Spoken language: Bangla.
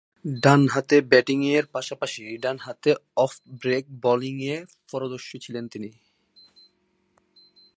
ডানহাতে ব্যাটিংয়ের পাশাপাশি ডানহাতে অফ ব্রেক বোলিংয়ে পারদর্শী ছিলেন তিনি।